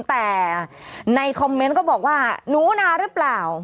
แต่ในคอมเมนต์ก็บอกว่าหนูนาหรือเปล่า